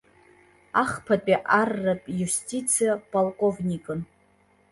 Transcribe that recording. Ахԥатәи арратә иустициа полковникын.